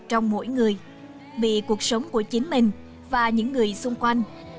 trong mỗi người vì cuộc sống của chính mình và những người xung quanh